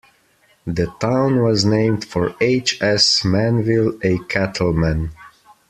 The town was named for H. S. Manville, a cattleman.